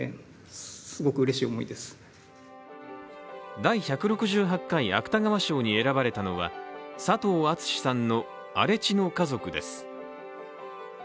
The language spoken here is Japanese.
第１６８回芥川賞に選ばれたのは佐藤厚志さんの「荒地の家族」です。